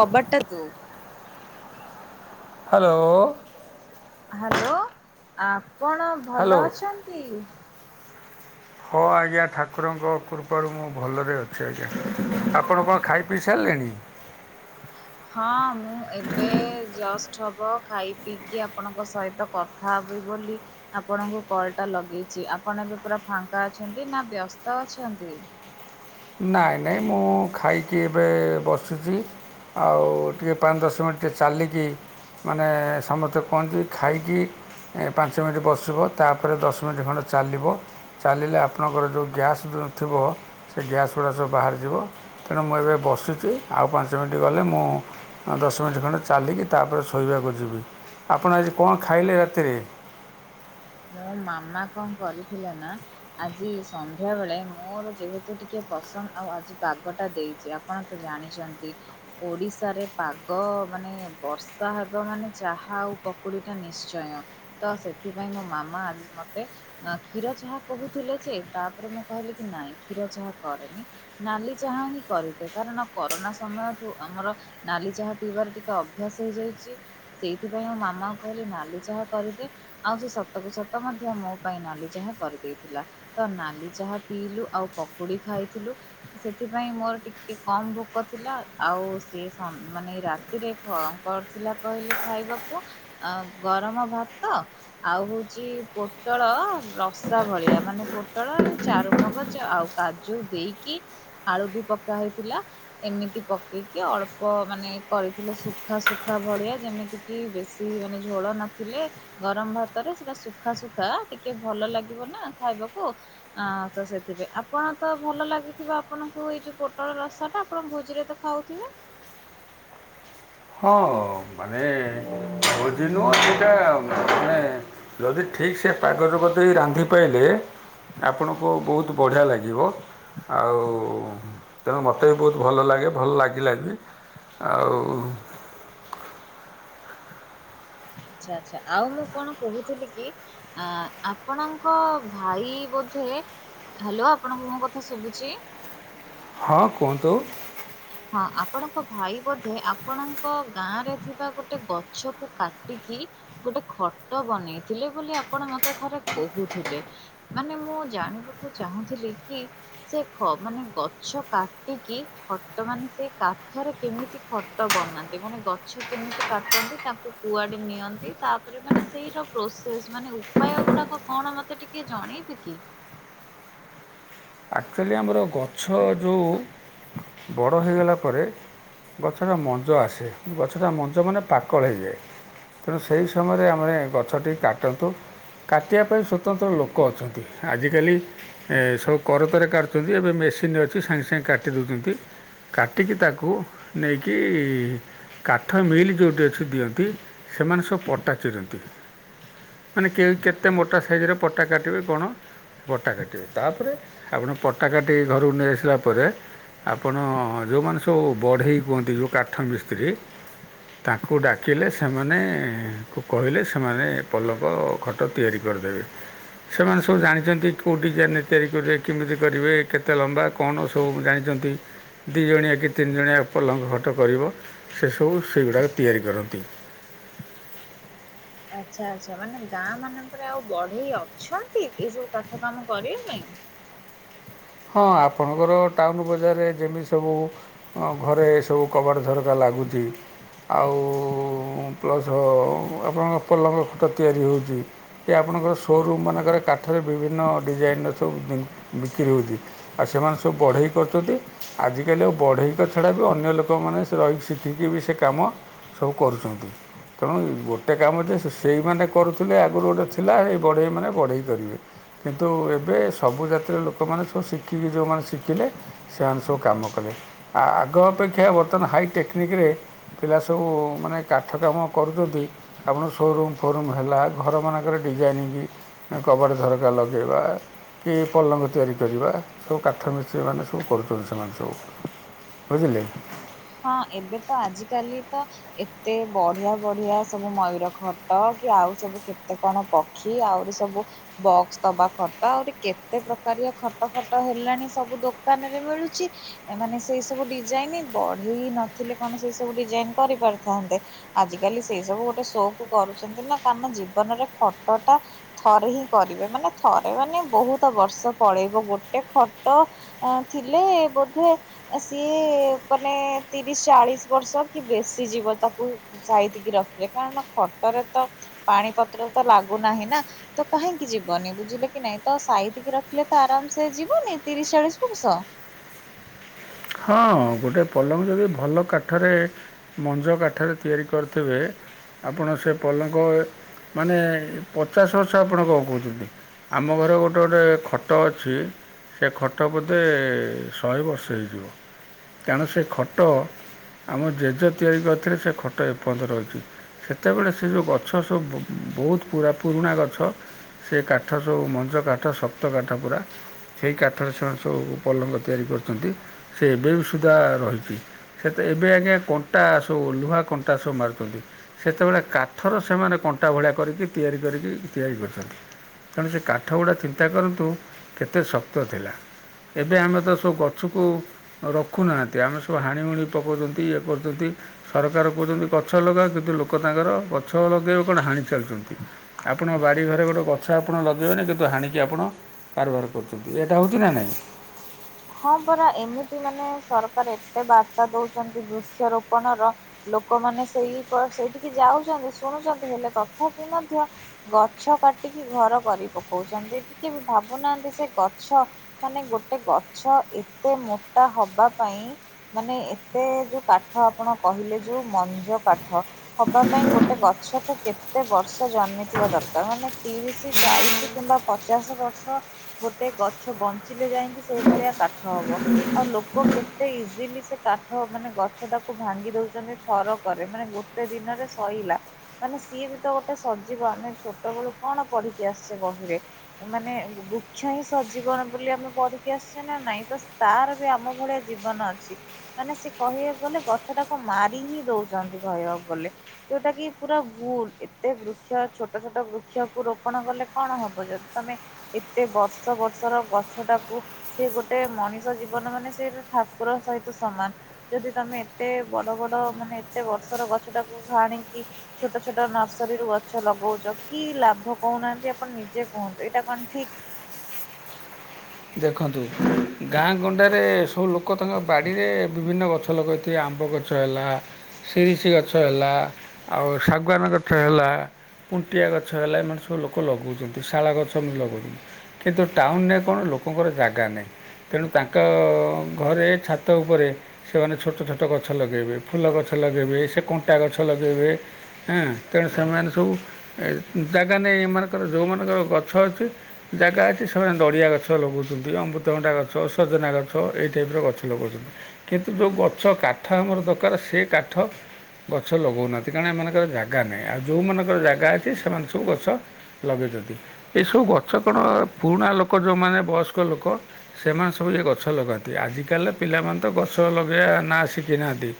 କବାଟଟା ତୁ hello. Hello ଆପଣ hello ଭଲ ଅଛନ୍ତି? ହଁ ଆଜ୍ଞା ଠାକୁରଙ୍କ କୃପାରୁ ମୁଁ ଭଲରେ ଅଛି ଆଜ୍ଞା ଆପଣ କଣ ଖାଇ ପିଇ ସାରିଲେଣି? [inaudible] ହଁ ମୁଁ ଏବେ ଜଷ୍ଟ ହବ ଖାଇ ପିଇକି ଆପଣଙ୍କ ସହିତ କଥା ହେବି ବୋଲି ଆପଣଙ୍କୁ କଲ ଟା ଲଗେଇଛି ଆପଣ ଏବେ ପୁରା ଫାଙ୍କା ଅଛନ୍ତି ନା ବ୍ୟସ୍ତ ଅଛନ୍ତି? ନାଇଁ ନାଇଁ ମୁଁ ଖାଇକି ଏବେ ବସିଛି ଆଉ ଟିକେ ପାଞ୍ଚ ଦଶ ମିନିଟ୍ ଟିକେ ଚାଲିକି ମାନେ ସମସ୍ତେ କୁହନ୍ତି ଖାଇକି ଏ ପାଞ୍ଚ ମିନିଟ୍ ବସିବ ତାପରେ ଦଶ ମିନିଟ୍ ଖଣ୍ଡେ ଚାଲିବ ଚାଲିଲେ ଆପଣଙ୍କର ଯୋଉ ଗ୍ୟାସ୍ ପ୍ରୋବ୍ଲେମ ଥିବ ସେ ଗ୍ୟାସ୍ ଗୁଡ଼ା ସବୁ ବାହାରିଯିବ ତେଣୁ ମୁଁ ଏବେ ବସିଛି ଆଉ ପାଞ୍ଚ ମିନିଟ୍ ଗଲେ ମୁଁ ଦଶ ମିନିଟ୍ ଖଣ୍ଡେ ଚାଲିକି ତାପରେ ଶୋଇବାକୁ ଯିବି ଆପଣ ଆଜି କଣ ଖାଇଲେ ରାତିରେ ମୋ ମାମା କଣ କରିଥିଲେ ନା ଆଜି ସନ୍ଧ୍ୟା ବେଳେ ମୋର ଯେହେତୁ ଟିକେ ପସନ୍ଦ ଆଉ ଆଜି ପାଗ ଟା ଦେଇଛି ଆ ଆପଣ ତ ଜାଣିଛନ୍ତି ଓଡିଶାରେ ପାଗ ମାନେ ବର୍ଷା ହେବ ମାନେ ଚାହା ଆଉ ପକୁଡି ଟା ନିଶ୍ଚୟ ତ ସେଥିପାଇଁ ମୋ ମାମା ଆଜି ମତେ କ୍ଷୀର ଚାହା କହୁଥିଲେ ଯେ ତାପରେ ମୁଁ କହିଲି କି ନାଇଁ କ୍ଷୀର ଚାହା କରେନି ନାଲି ଚାହା ହିଁ କରିଥାଏ କାରଣ କରୋନା ସମୟଠୁ ଆମର ନାଲି ଚାହା ପିଇବାର ଟିକେ ଅଭ୍ୟାସ ହେଇଯାଇଛି ସେଇଥିପାଇଁ ମୋ ମାମାଙ୍କୁ କହିଲେ ନାଲି ଚାହା କରିଦେ ଆଉ ସେ ସତକୁ ସତ ମଧ୍ୟ ମୋ ପାଇଁ ନାଲି ଚାହା କରିଦେଇଥିଲା ତ ନାଲି ଚାହା ପିଇଲୁ ଆଉ ପକୁଡି ଖାଇଥିଲୁ ସେଥିପାଇଁ ମୋର ଟିକେ କମ ଭୋକ ଥିଲା ଆଉ ସେଏ ମାନେ ରାତି ରାତିରେ କ କରିଥିଲା କହିଲେ ଖାଇବାକୁ ଗରମ ଭାତ ଆଉ ଛି ପୋଟଳ ରସା ଭଳିଆ ମାନେ ପୋଟଳ ଚାରୁମଗଜ ଆଉ କାଜୁ ଦେଇକି ଆଳୁ ବି ପକା ହେଇଥିଲା ଏମିତି ପକେଇକି ଅଳ୍ପ ମାନେ କରିଥିଲେ ଶୁଖା ଶୁଖା ଭଳିଆ ଯେମିତି କି ବେଶୀ ମାନେ ଝୋଳ ନଥିଲେ ଗରମ ଭାତରେ ସେଟା ସୁଖା ସୁୁଖା ଟିକେ ଭଲ ଲାଗିବ ନା ଖାଇବାକୁ ଅ ତ ସେଥିପାଇଁ ଆପଣ ତ ଭଲ ଲାଗୁଥିବ ଆପଣଙ୍କୁ ଏଇ ଯୋଉ ପୋଟଳ ରସ ଟା ଆପଣ ଭୋଜିରେ ତ ଖାଉଥିବେ ହଁ ମାନେ ଭୋଜି ଦିନ ସେଇଟା ମାନେ ଯଦି ଠିକ୍ ସେ ପାଗ ଯୋଗ ଦେଇ ରାନ୍ଧି ପାରିଲେ ଆପଣଙ୍କୁ ବହୁତ ବଢ଼ିଆ ଲାଗିବ ଆଉ ତେଣୁ ମୋତେ ବି ବହୁତ ଭଲ ଲାଗେ ଭଲ ଲାଗିଲା ବି ଆଉ ଆଚ୍ଛା ଆଚ୍ଛା ଆଉ ମୁଁ କଣ କହୁଥିଲି କି ଅ ଆପଣଙ୍କ ଭାଇ ବୋଧେ ହ୍ୟାଲୋ ଆପଣଙ୍କୁ ମୋ କଥା ଶୁଭୁଛି ହଁ କୁହନ୍ତୁ ହ [inaudible] ହଁ ଆପଣଙ୍କ ଭାଇ ବୋଧେ ଆପଣଙ୍କ ଗାଁ ରେ ଥିବା ଗୋଟେ ଗଛକୁ କାଟିକି ଗୋଟେ ଖଟ ବନେଇଥିଲେ ବୋଲି ଆପଣ ମତେ ଥରେ କହୁଥିଲେ ମାନେ ମୁଁ ଜାଣିବାକୁ ଚାହୁଁଥିଲି କି ସେ ମାନେ ଗଛ କାଟିକି ଖଟ ମାନେ ସେଇ କାଠରେ କେମିତି ଖଟ ବନାନ୍ତି ମାନେ ଗଛ କେମିତି କାଟନ୍ତି ତାଙ୍କୁ କୁଆଡେ ନିଅନ୍ତି, ତାପରେ ମାନେ ସେଇର ପ୍ରୋସେସ ମାନେ ଉପାୟ ଗୁଡାକ କଣ ମତେ ଟି କେ ଜଣେଇବେ କି? ଆକ୍ଚୁଆଲି ଆମର ଗଛ ଯୋଉ ବଡ଼ ହେଇଗଲା ପରେ ଗଛଟା ମଞ୍ ଆସେ, ଗଛଟା ମଞ୍ଜ ମାନେ ପାକଳ ହେଇଯାଏ। ତେଣୁ ସେହି ସମୟରେ ଆମେ ଗଛଟି କାଟନ୍ତୁ। କାଟିବା ପାଇଁ ସ୍ୱତନ୍ତ୍ର ଲୋକ ଅଛନ୍ତି, ଆଜିକାଲି ସବୁ କର ତ ରେ କାଟୁଛନ୍ତି, ଏବେ ମେସିନ ଅଛି ସାଙ୍ଗେ ସାଙ୍ଗେ କାଟି ଦେଉଛନ୍ତି। କାଟିକି ତାକୁ ନେଇକି କାଠ ମିଲ୍ ଯୋଉଠି ଅଛି ଦିଅନ୍ତି ସେମାନେ ସବୁ ପଟା ଚିରନ୍ତି। ମାନେ କେ କେତେ ମୋଟା ସାଇଜରେ ପଟା କାଟିବେ କଣ ପଟା କାଟିବେ ତାପରେ ଆପଣ ପଟାକାଟିିକି ଘରକୁ ନେଇଆସିଲା ପରେ ଆପଣ ଯୋଉ ମାନେ ସବୁ ବଢେଇ ହୁଅନ୍ତି ଯୋଉ କାଠ ମିସ୍ତ୍ରୀ ତାଙ୍କୁ ଡାକିଲେ ସେମାନେ କହିଲେ, ସେମାନେ ପଲକ କ ତ ତିଆରି କରିଦେବେ, ସେମାନେ ସବୁ ଜାଣିଛନ୍ତି କୋଉ ଡିଜାଇନ୍ ତିଆରି କରିବେ କେମିତି କରିବେ କେତେ ଲମ୍ବା କଣ ସବୁ ଜାଣିଛନ୍ତି। ଦି ଜଣିକିଆ କି ତିନି ଜଣିଆ ପଲଙ୍କ ଖଟ କରିବ ସେସବୁ ସେଗୁଡାକ ତିଆରି କରନ୍ତି। ଆଚ୍ଛା ଆଚ୍ଛା ମାନେ ଗାଁ ମାନଙ୍କରେ ଆଉ ବଢେଇ ଅଛନ୍ତି, ଏ ସବୁ କାଠ କାମ କରିବା ପାଇଁ? ହଁ ଆପଣଙ୍କର ଟାଉନ ବଜାରରେ ଯେମିତି ସବୁ ହଁ ଘରେ ଏ ସବୁ କବାଟ ଝରକା ଲାଗୁଚି। ଆଉ ପ୍ଲସ୍ ଆପଣଙ୍କ ପଲଙ୍କ ଖଟ ତିଆରି ହଉଚି। କି ଆପଣଙ୍କର ସୋରୁମ୍ ମାନଙ୍କରେ କାଠରେ ବିଭିନ୍ନ ଡିଜାଇନ୍ ର ସବୁ ବି ବିକ୍ରି ହଉଚି। ଆଉ ସେମାନେ ସବୁ ବଢେଇ କରୁଛନ୍ତି, ଆଜିକାଲି ଆଉ ବଢେଇଙ୍କ ଛଡା ବି ଅନ୍ୟ ଲୋକମାନେ ରହିକି ଶିଖିକି ବି ସେ କାମ ସବୁ କରୁଛନ୍ତି। ତେଣୁ ଗୋଟେ କାମ ଯେ ସେ ସେଇମାନେ କରୁଥିଲେ ଆଗରୁ ଗୋଟେ ଥିଲା, ଏଇ ବଢେଇମାନେ ବଢେଇ କରିବେ କିନ୍ତୁ ଏବେ ସବୁ ଜାତିର ଲୋକମାନେ ସ ଶିଖିକି ଯଉ ମାନେ ଶିଖିଲେ ସେମାନେ ସବୁ କାମ କଲେ, ଆ ଆଗ ଅପେକ୍ଷା ବର୍ତ୍ତମାନ ହାଇ ଟେକ୍ନିକିରେ ପିଲା ସବୁ ମାନେ କାଠ କାମ କରୁଛନ୍ତି ଆପଣ ସୋରୁମ୍ ଫୋରୁମ୍ ହେଲା ଘରମାନଙ୍କର ଡିଜାଇନ୍ ବି କବାଟ ଝରକା ଲଗାଇବା କି ପଲଙ୍କ ତିଆରି କରିବା ସବୁ କାଠ ମିସ୍ତ୍ରୀ ମାନେ ସବୁ କରୁଛନ୍ତି ସେମାନେ ସବୁ ବୁଝିଲେ? ହଁ ଏବେ ତ ଆଜିକାଲି ତ ଏତେ ବଢିଆ ବଢିଆ ସବୁ ମୟୂର ଖଟ କି ଆଉ ସବୁ କେତେ କଣ ପକ୍ଷୀ ଆହୁରି ସବୁ ବକ୍ସ ଦବା ଖଟ, ଆହୁରି କେତେ ପ୍ରକାରିଆ ଖଟ ଫଟ ହେଲାଣି ସବୁ ଦୋକାନରେ ମିଳୁଚି ଏମାନେ ସେଇ ସବୁ ଡିଜାଇନ୍, ବଢେଇ ନଥିଲେ କଣ ସେଇ ସବୁ ଡିଜାଇନ୍ କରିପାରିଥାନ୍ତେ? ଆଜ କାଲି ସେଇ ସବୁ ଗୋଟେ ଶୋ କୁ କରୁଛନ୍ତି ନା କାରଣ ଜୀବନରେ ଖଟ ଟା ଥରେ ହିଁ କରିବେ, ମାନେ ଥରେ ମାନେ ବହୁତ ବର୍ଷ ପଳେଇବ ଗୋଟେ ଖଟ ଥିଲେ ବୋଧେ ସିଏ କ ନେ ତିରିଶୀ ଚାଳିଶି ବର୍ଷ କି ବେଶୀ ଯିବ ତାକୁ ସାାଇତିକି ରଖିଲେ, କାରଣ ଖଟରେ ତ ପାଣି ପତ୍ର ତ ଲାଗୁନାହିଁ ନା। ତ କାହିଁକି ଯିବନି ବୁଝିଲେ କି ନାଇଁ, ତ ସାଇତିକି ରଖିଲେ ତ ଆରାମ ସେ ଯିବନି ତିରିଶି ଚାଳିଶି ବର୍ଷ? ହଁ ଗୋଟେ ପଲଙ୍କ ଯଦି ଭଲ କାଠରେ ମଞ୍ଜ କାଠରେ ତିଆରି କରିଥିବେ ଆପଣ ସେ ପଲଙ୍କ ମାନେ ପଚାଶ ବର୍ଷ ଆପଣ କଁ କହୁଛନ୍ତି ଆମ ଘରେ ଗୋଟେ ଗୋଟେ ଖଟ ଅଛି ସେ ଖଟ ବଧେ ଶହେ ବର୍ଷ ହେଇଯିବ। କାରଣ ସେ ଖଟ ଆମ ଜେଜେ ତିଆରି କରିଥିଲେ ସେ ଖଟ ଏପଯନ୍ତ ରହିଚି। ସେତବେଳେ ସେ ଯୋଉ ଗଛ ସବୁ ବହୁତ ପୁରା ପୁରୁଣା ଗଛ ସେ କାଠ ସବୁ ମଞ୍ଜ କାଠ ଶକ୍ତ କାଠ ପୁରା। ସେଇ କାଠରେ ସେମାନେ ସବୁ ପଲଙ୍କ ତିଆରି କରିଛନ୍ତି, ସେ ଏବେ ବି ସୁଦ୍ଧା ରହିଚି। ସେ ତ ଏବେ ଆଜ୍ଞା କଣ୍ଟା ସବୁ ଲୁହା କଣ୍ଟା ସବୁ ମାରୁଛନ୍ତି। ସେତେବେଳେ କାଠର ସେମାନେ କଣ୍ଟା ଭଳିଆ କରିକି ତିଆରି କରିକି ତିଆରି କରିଛନ୍ତି। ତେଣୁ ସେ କାଠ ଗୁଡା ଚିନ୍ତା କରନ୍ତୁ କେତେ ଶକ୍ତ ଥିଲା? ଏବେ ଆମେ ତ ସବୁ ଗଛକୁ ରଖୁନାହାନ୍ତି ଆମେ ସବୁ ହାଣିମୁଣି ପକାଉଛନ୍ତି ଇଏ କରୁଛନ୍ତି। ସରକାର କହୁଚନ୍ତି ଗଛ ଲଗାଅ କେତେ ଲୋକ ତାଙ୍କର ଗଛ ଲଗେଇବେ କଣ ହାଣି ଚାଲି ଚନ୍ତି। ଆପଣ ବାଡ଼ି ଘରେ ଗୋଟେ ଗଛ ଆପଣ ଲଗେଇବେନି କିନ୍ତୁ ହାଣିକି ଆପଣ। କାରବାର କରୁଚନ୍ତି ଏଇଟା ହଉଛି ନା ନାଇଁ। ହଁ ପରା ଏମିତି ମାନେ ସରକାର ଏତେ ବାର୍ତ୍ତା ଦଉଛନ୍ତି ବୃକ୍ଷରୋପଣ ର। ଲୋକମାନେ ସେଇ ପର ସେଇଠିକି ଯାଉଛନ୍ତି ଶୁଣୁଛନ୍ତି ହେଲେ ତଥାପି ମଧ୍ୟ। ଗଛ କାଟିକି ଘର କରି ପକଉଚନ୍ତି ଟିକେ ବି ଭାବୁନାହାନ୍ତି ସେ ଗଛ। ମାନେ ଗୋଟେ ଗଛ ଏତେ ମୋଟା ହବା ପାଇଁ। ମାନେ ଏତେ ଯୋଉ କାଠ ଆପଣ କହିଲେ ଯୋଉ ମଞ୍ଜ କାଠ। ହବା ପାଇଁ ଗୋଟେ ଗଛକୁ କେତେ ବର୍ଷ ଜନ୍ମିଥିବା ଦରକାର ମାନେ ତିରିଶ ଚାଳିଶ କିମ୍ବା ପଚାଶ ବର୍ଷ ଗୋଟେ ଗଛ ବଞ୍ଚିଲେ ଯାଇକି ସେଇଭଳିଆ କାଠ ହବ। ଆଉ ଲୋକ କେତେ ଇଜିଲି ସେ କାଠ ମାନେ ଗଛ ଟାକୁ ଭାଙ୍ଗି ଦଉଚନ୍ତି। ଫରକ କରେ ମାନେ ଗୋଟେ ଦିନରେ ସଇଲା। ମାନେ ସିଏ ବି ତ ଗୋଟେ ସଜିବ ମାନେ ଛୋଟବେେଳୁ କଣ ପଢିକି ଆସିଛେ ବହିରେ। ମାନେ ବୃକ୍ଷ ହିଁ ସଜୀବନ ବୋଲି ଆମେ ପଢି ଆସଛି ନା ନାଇଁ ତ ତାର ବି ଆମ ଭଳିଆ ଜୀବନ ଅଛି। ମାନେ ସେ କହିବାକୁ ଗଲେ ଗଛଟାକୁ ମାରି ହିଁ ଦଉଚନ୍ତି କହିବାକୁ ଗଲେ। ଯୋଉଟା କି ପୁରା ଭୁଲ ଏତେ ବୃକ୍ଷ ଛୋଟ ଛୋଟ ବୃକ୍ଷକୁ ରୋପଣ କଲେ କଣ ହବ ଯଦି ତମେ ଏତେ ବର୍ଷ ବର୍ଷର ଗଛଟାକୁ ସେ ଗୋଟେ ମଣିଷ ଜୀବନ ମାନେ ସେ ଠାକୁର ସହିତ ସମାନ। ଯଦି ତମେ ଏତେ ବଡ ବଡ ମାନେ ଏତେ ବର୍ଷର ଗଛଟାକୁ ଆଣିକି। ଛୋଟ ଛୋଟ ନର୍ସରୀରୁୁ ଗଛ ଲଗଉଛ କି ଲାଭ କହୁନାହାନ୍ତି ଆପଣ ନିଜେ କୁହନ୍ତୁ ଏଇଟା କଣ ଠିକ। ଦେଖନ୍ତୁ ଗାଁ ଗଣ୍ଡାରେ ସବୁ ଲୋକ ତାଙ୍କ ବାଡ଼ିରେ ବିଭିନ୍ନ ଗଛ ଲଗଉଥିବେ ଆମ୍ବ ଗ ଗଛ ହେଲା ସିରିସି ଗଛ ହେଲା ଆଉ ଶାଗୁଆାନ ଗଛ ହେଲା। ଖୁଣ୍ଟିଆ ଗଛ ହେଲା ଏମାନେ ସବୁ ଲୋକ ଲଗାଉଛନ୍ତି ଶାଳ ଗଛ ଏତି ଲଗାଉଛନ୍ତି। କିନ୍ତୁ ଟାଉନୁ ରେ କଣ ଲୋକଙ୍କର ଜାଗା ନାହିଁ। ତେଣୁ ତାଙ୍କ ଘରେ ଛାତ ଉପରେ ସେମାନେ ଛୋଟ ଛୋଟ ଗଛ ଲଗାଇବେ ଫୁଲ ଗଛ ଲଗାଇବେ ସେ କଣ୍ଟା ଗଛ ଲଗାଇବେ। ହଁ ତେଣୁ ସେମାନେ ସବୁ ଜାଗା ନେଇ ଏମାନଙ୍କର ଯେଉଁମାନଙ୍କର ଗଛ ଅଛି। ଜାଗା ଅଛି ସେମାନେ ନଡ଼ିଆ ଗଛ ଗଛ ଲଗାଉଛନ୍ତି ଅମୃତଭଣ୍ଡା ଗଛ ସଜନା ଗଛ ଏଇ ଟାଇପିର ଗଛ ଲଗାଉଛନ୍ତି। କିନ୍ତୁ ଯେଉଁ ଗଛ କାଠ ଆମର ଦରକାର ସେ କାଠ। ଗଛ ଲଗାଉନାହାନ୍ତି କାରଣ ଏମାନଙ୍କର ଜାଗା ନାହିଁ ଆଉ ଯେଉଁମାନଙ୍କର ଜାଗା ଅଛି ସେମାନେ ସବୁ ଗଛ। ଲଗେଇଚନ୍ତି ଏସବୁ ଗଛ କଣ ପୁରୁଣା ଲୋକ ଯଉ ମାନେ ବୟସ୍କ ଲୋକ। ସେମାନେ ସବୁ ଏ ଗଛ ଲଗାନ୍ତି ଆଜିକାଲି ପିଲାମାନେ ତ ଗଛ ଲଗେଇବା ନା ଶିଖିନାହାନ୍ତି।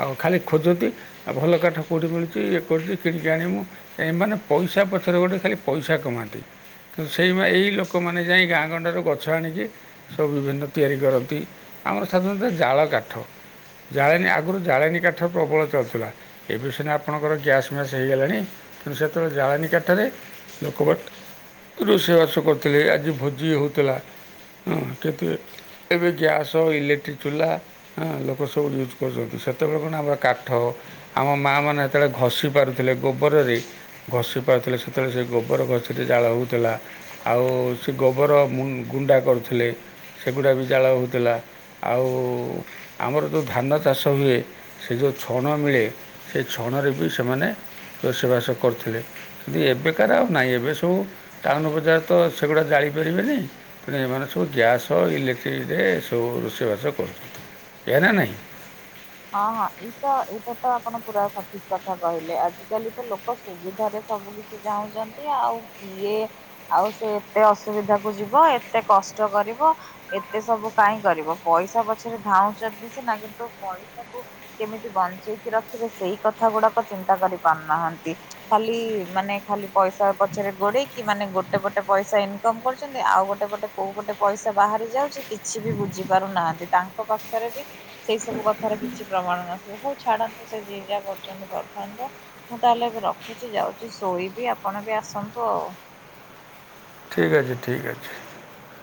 ଆଉ ଖାଲି ଖୋଜନ୍ତି ଆଉ ଭଲ କାଠ କେଉଁଠି ମିଳୁଛି ଇଏ କରୁଛି କିଣିକି ଆଣିମୁ। ଏମାନେ ପଇସା ପଛରେ ଗୋଟେ ଖାଲି ପଇସା କମାନ୍ତି କିନ୍ତୁ ସେଇ ଏଇ ଲୋକମାନେ ଯାଇ ଗାଁ [unintelligible] ଗଣ୍ଡାରୁ ଗଛ ଆଣିକି ସବୁ ବିଭିନ୍ନ ତିଆରି କରନ୍ତି ଆମର ସାଧାରଣତଃ ଜାଳ କାଠ। ଜାଳେଣୀ ଆଗରୁ ଜାଳେଣୀ କାଠ ପ୍ରବଳ ଚାଳୁଥିଲା। ଏବେ ସିନା ଆପଣଙ୍କର ଗ୍ୟାସ୍ ମ୍ୟାସ୍ ହେଇଗଲାଣି ତେଣୁ ସେତେବେଳେ ଜାଳେନୀ କାଠରେ। ଲୋକମାନେ ରୋଷେଇବାସ କରୁଥିଲେ ଆଜି ଭୋଜି ହଉଥିଲା। ହଁ କିନ୍ତୁ ଏ ଏବେ ଗ୍ୟାସ୍ ଇଲେକ୍ଟ୍ରିକ ଚୁଲା। ହାଁ ଲୋକ ସବୁ ୟୁଉଜୁ କରୁଚନ୍ତି ସେତେବେଳେ କଣନା କାଠ। ଆମ ମାଆମାନେ ହେତେବେଳେ ଘଷି ପାରୁଥିଲେ ଗୋବରରେ। ଘଷି ପାରୁଥିଲେ ସେତେବେଳେ ସେ ଗୋବର ଘଷିରେ ଜାଳ ହଉଥିଲା ଆଉ ସେ। ଗୋବର ମୁ ଗୁଣ୍ଡା କରୁଥିଲେ। ସେଗୁଡାବି ଜାଳ ହଉଥିଲା ଆଉ ଆମର ଯୋଉ ଧାନ ଚାଷ ହୁଏ। ସେ ଯୋଉ ଛଣ ମିଳେ ସେ ଛଣରେବି ସେମାନେ ରୋଷେଇବାସ କରୁଥିଲେ। କିନ୍ତୁ ଏବେକାର ଆଉ ନାହିଁ ଏବେ ସବୁ ଟାଉନ ବଜାରତ ସେଗୁଡା ଜାଳି ପାରିବେନି ତେଣୁ ଏମାନେ ସବୁ ଗ୍ୟାସ ଇଲେକ୍ଟ୍ରିରେ ସବୁ ରୋଷେଇବାସ କରୁଛନ୍ତି। ଏଇଆନା ନାହିଁ। ହଁ ହଁ ଏଇତ ଏଇଟାତ ଆପଣ ପୁରା ସଠିକ କଥା କହିଲେ ଆଜିକାଲିତ ଲୋକ ସୁବିଧାରେ ସବୁ କିଛି ଚାହୁଁଚନ୍ତି ଆଉ କିଏ? ଆଉ ସେ ଏତେ ଅସୁବିଧାକୁ ଯିବ ଏତେ କଷ୍ଟ କରିବ ଏତେ ସବୁ କାହିଁ କରିବ ପଇସା ପଛରେ ଧାଉଚନ୍ତି ସିନା କିନ୍ତୁ କେମିତି ବଞ୍ଚେଇକି ରଖିବେ ସେଇ କଥା ଗୁଡାକ ଚିନ୍ତା କରି ପାରୁନାହାନ୍ତି। ଖାଲି ମାନେ ଖାଲି ପଇସା ପଛରେ ଗୋଡେଇକି ମାନେ ଗୋଟେ ପଟେ ପଇସା ଇନକମ କରୁଛନ୍ତି ଆଉ ଗୋଟେ ପଟେ କୋଉ ପଟେ ପଇସା ବାହାରି ଯାଉଛି କିଛିବି ବୁଝି ପାରୁନାହାନ୍ତି ତାଙ୍କ ପାଖରେବି ସେଇ ସବୁ କ ଥାର କିଛି ପ୍ରମାଣ ନଥିବ ହଉ ଛାଡନ୍ତୁ ସେ ଯିଏ ଯାହା କରୁଚନ୍ତି କରୁଥାନ୍ତୁ। ମୁଁ ତାହେଲେ ଏବେ ରଖୁଛି ଯାଉଚି ଶୋଇବି ଆପଣବି ଆସନ୍ତୁ ଆଉ ଠିକ ଅଛି ଠିକ ଅଛି।